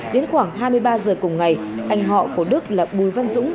đến khoảng hai mươi ba giờ cùng ngày anh họ của đức là bùi văn dũng